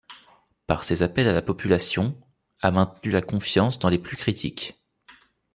Par ses appels à la population, a maintenu la confiance dans les plus critiques.